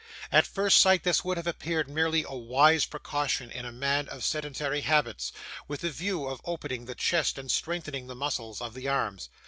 At first sight, this would have appeared merely a wise precaution in a man of sedentary habits, with the view of opening the chest and strengthening the muscles of the arms.